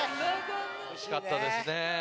惜しかったですね。